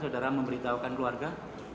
saudara memberitahukan keluarga